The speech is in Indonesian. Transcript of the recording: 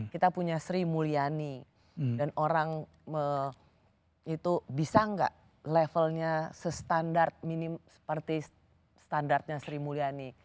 kita punya sri mulyani dan orang itu bisa nggak levelnya sestandar minim seperti standarnya sri mulyani